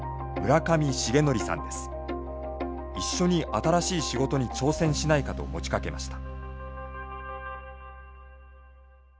一緒に新しい仕事に挑戦しないかと持ちかけました。